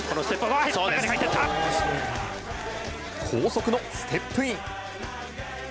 高速のステップイン。